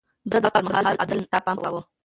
ده د واک پر مهال عدل ته پام کاوه.